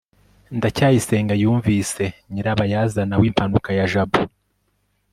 ndacyayisenga yumvise nyirabayazana w'impanuka ya jabo